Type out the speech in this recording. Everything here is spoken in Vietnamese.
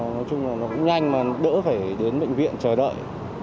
nói chung là nó cũng nhanh mà đỡ phải đến bệnh viện chờ đợi